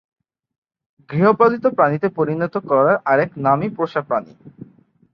গৃহপালিত প্রাণীতে পরিণত করার আরেক নামই পোষা প্রাণী।